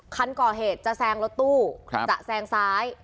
คันก่อเหตุจะแซงรถตู้จะแซงซ้าย